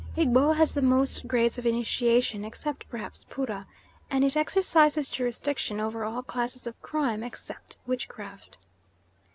Egbo has the most grades of initiation, except perhaps Poorah, and it exercises jurisdiction over all classes of crime except witchcraft.